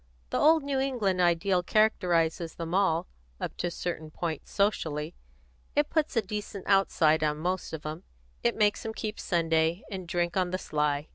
The old New England ideal characterises them all, up to a certain point, socially; it puts a decent outside on most of 'em; it makes 'em keep Sunday, and drink on the sly.